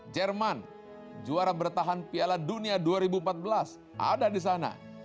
jerman juara bertahan piala dunia dua ribu empat belas ada di sana